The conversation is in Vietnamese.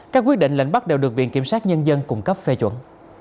các quyết định lệnh bắt đều được viện kiểm sát nhân dân cung cấp phê chuẩn